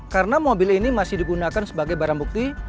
karena mobil ini masih digunakan sebagai barang bukti